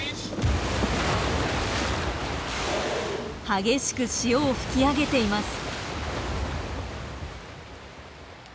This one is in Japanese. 激しく潮を噴き上げています。